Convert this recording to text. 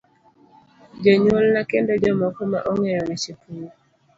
Jonyuolna kendo jomoko ma ong'eyo weche pur.